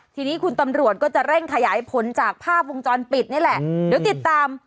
ทีนี้คุณตำรวจก็จะเร่งขยายผลจากภาพวงจรปิดนี่แหละเดี๋ยวติดตาม